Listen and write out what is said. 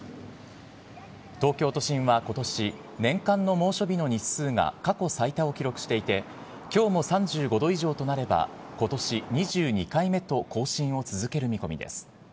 東京都心はことし、年間の猛暑日の日数が過去最多を記録していて、きょうも３５度以上となれば、ことし２２回目と、更新を続ける見込みです。